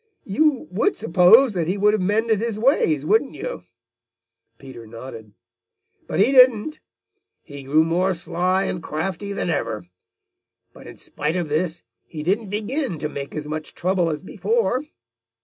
"You would suppose that he would have mended him ways, wouldn't you?" Peter nodded. "But he didn't. He grew more sly and crafty than ever. But in spite of this, he didn't begin to make as much trouble as before.